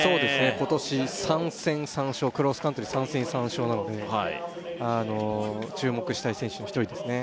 今年３戦３勝クロスカントリー３戦３勝なので注目したい選手の一人ですね